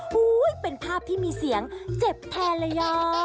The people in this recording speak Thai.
เป็นภาพที่มีเสียงเจ็บแทนเลยอ่ะ